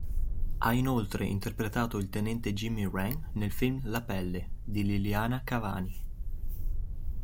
Ha inoltre interpretato il tenente Jimmy Wren nel film "La pelle" di Liliana Cavani.